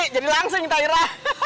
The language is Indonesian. jadi langsung kita ira